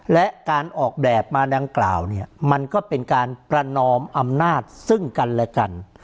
และการออกแบบมาดังกล่าวเนี่ยมันก็เป็นการประนอมอำนาจซึ่งกันและกัน